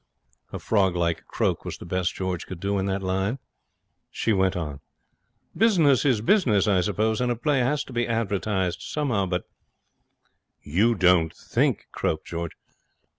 A frog like croak was the best George could do in that line. She went on. 'Business is business, I suppose, and a play has to be advertised somehow. But ' 'You don't think ' croaked George.